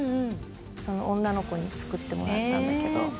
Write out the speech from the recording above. その女の子に作ってもらったんだけど。